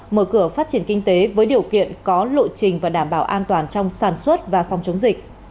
mở cửa phát triển kinh tế với điều kiện có lộ trình và đảm bảo an toàn trong sản xuất và phòng chống dịch